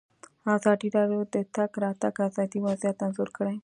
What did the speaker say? ازادي راډیو د د تګ راتګ ازادي وضعیت انځور کړی.